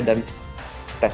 dan tes pcr